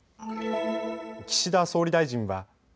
岸田総理大臣はＧ７・